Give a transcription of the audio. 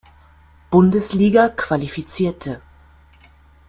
Bundesliga qualifizierte.